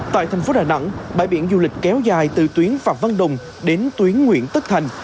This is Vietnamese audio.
tại thành phố đà nẵng bãi biển du lịch kéo dài từ tuyến phạm văn đồng đến tuyến nguyễn tất thành